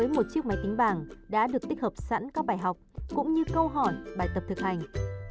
một chiếc máy tính bảng đã được tích hợp sẵn các bài học cũng như câu hỏi bài tập thực hành